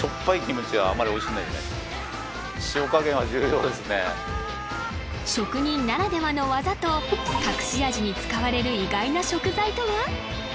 ２人職人ならではの技と隠し味に使われる意外な食材とは？